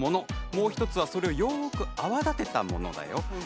もう１つはそれをよく泡立てたものだよ。